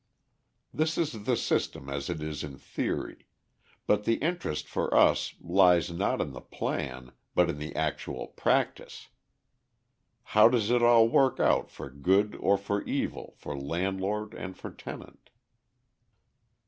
This is the system as it is in theory; but the interest for us lies not in the plan, but in the actual practice. How does it all work out for good or for evil, for landlord and for tenant?